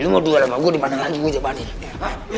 lo mau duel sama gue dimana lagi gue jawabannya